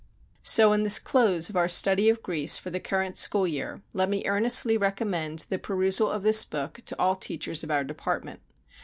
So in this close of our study of Greece for the current school year, let me earnestly recommend the perusal of this book to all teachers of our department.